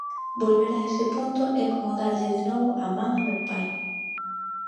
Volver a ese punto é como darlle de novo a man a meu pai.